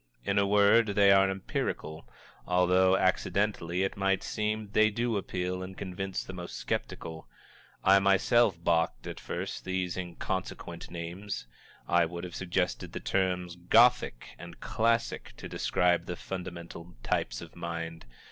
In a word, they are empirical, although, accidentally it might seem, they do appeal and convince the most skeptical. I myself balked, at first, at these inconsequent names. I would have suggested the terms "Gothic" and "Classic" to describe the fundamental types of mind.